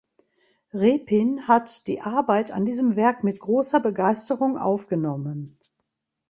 Repin hat die Arbeit an diesem Werk mit großer Begeisterung aufgenommen.